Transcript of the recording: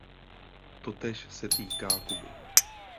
Totéž se týká Kuby.